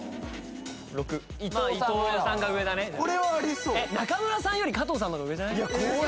６これはありそう中村さんより加藤さんの方が上じゃない？